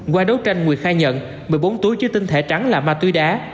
qua đấu tranh nguyệt khai nhận một mươi bốn túi chứa tinh thể trắng là ma túy đá